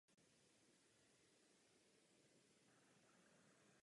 Hrozba terorismu nás donutila rychleji souhlasit s omezením naší svobody.